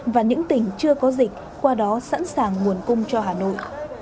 và những tỉnh chưa có dịch qua đó sẵn sàng nguồn cung cho hà nội